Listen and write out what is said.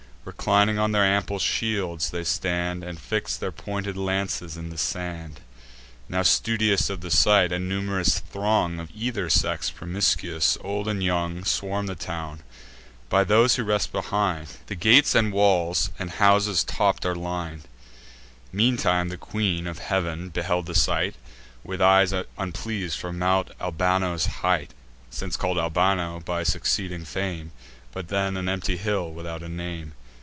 Reclining on their ample shields, they stand, And fix their pointed lances in the sand. Now, studious of the sight, a num'rous throng Of either sex promiscuous, old and young, Swarm the town: by those who rest behind, The gates and walls and houses' tops are lin'd. Meantime the Queen of Heav'n beheld the sight, With eyes unpleas'd, from Mount Albano's height (Since call'd Albano by succeeding fame, But then an empty hill, without a name).